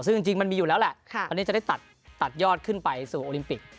ซึ่งจริงมันมีอยู่แล้วแหละวันนี้จะได้ตัดยอดขึ้นไปสู่โอลิมปิก